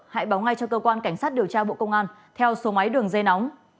hãy báo ngay cho cơ quan cảnh sát điều tra bộ công an theo số máy đường dây nóng